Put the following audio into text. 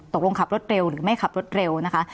ขับรถเร็วหรือไม่ขับรถเร็วนะคะ